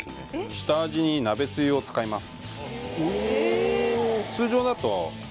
下味に鍋つゆを使います